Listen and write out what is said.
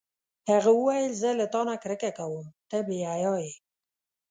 هغه وویل: زه له تا نه کرکه کوم، ته بې حیا یې.